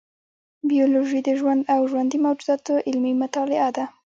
بیولوژي د ژوند او ژوندي موجوداتو علمي مطالعه ده